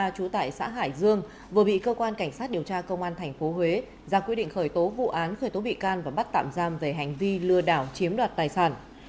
chú tại xã hải dương vừa bị cơ quan cảnh sát điều tra công an tp huế ra quyết định khởi tố vụ án khởi tố bị can và bắt tạm giam về hành vi lừa đảo chiếm đoạt tài sản